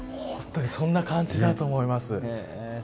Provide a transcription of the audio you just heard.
本当にそんな感じだと思います。